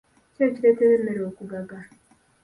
Ki ekireetera emmere okugaga?